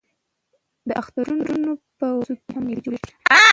د اخترونو په ورځو کښي هم مېلې جوړېږي.